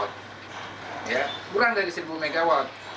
kurang dari satu mw